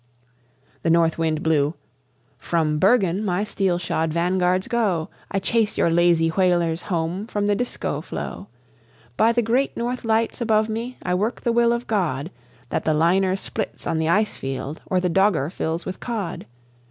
The North Wind blew: "From Bergen my steel shod van guards go; I chase your lazy whalers home from the Disko floe; By the great North Lights above me I work the will of God, That the liner splits on the ice field or the Dogger fills with cod.